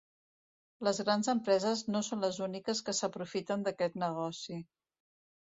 Les grans empreses no són les úniques que s’aprofiten d’aquest negoci.